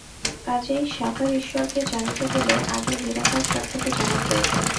কাজেই সাকার ঈশ্বরকে জানিতে গেলে আগে নিরাকার সত্তাকে জানা প্রয়োজন।